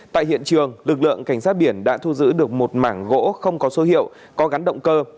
tại hiện trường lực lượng cảnh sát biển đã thu giữ được một mảng gỗ không có số hiệu có gắn động cơ